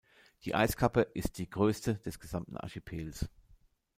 Die Eiskappe ist die größte des gesamten Archipels.